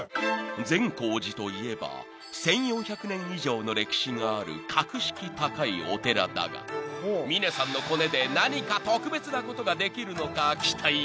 ［善光寺といえば１，４００年以上の歴史がある格式高いお寺だが峰さんのコネで何か特別なことができるのか期待が高まる］